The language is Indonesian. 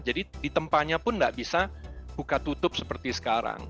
jadi di tempatnya pun tidak bisa buka tutup seperti sekarang